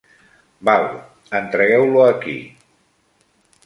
Val, entregueu-lo aquí.